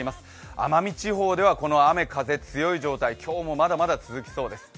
奄美地方ではこの雨・風強い状態、今日もまだまだ続きそうです。